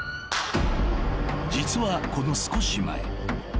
［実はこの少し前］